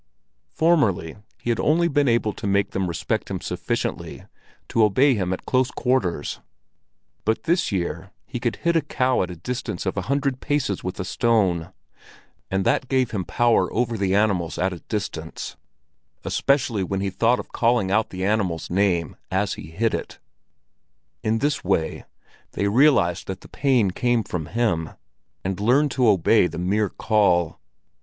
Formerly he had only been able to make them respect him sufficiently to obey him at close quarters; but this year he could hit a cow at a distance of a hundred paces with a stone, and that gave him power over the animals at a distance, especially when he thought of calling out the animal's name as he hit it. In this way they realized that the pain came from him, and learned to obey the mere call.